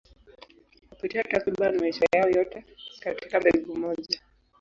Hupitia takriban maisha yao yote katika mbegu moja.